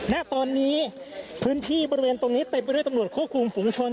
ณตอนนี้พื้นที่บริเวณตรงนี้เต็มไปด้วยตำรวจควบคุมฝุงชน